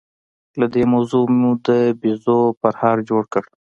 له دې موضوع مو د بيزو پرهار جوړ کړ.